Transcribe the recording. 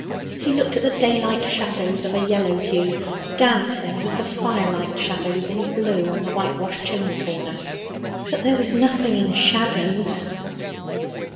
He looked at the daylight shadows of a yellow hue, dancing with the firelight shadows in blue on the whitewashed chimney corner, but there was nothing in shadows.